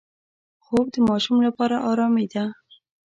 خوب د ماشوم لپاره آرامي ده